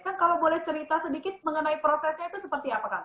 kang kalau boleh cerita sedikit mengenai prosesnya itu seperti apa kang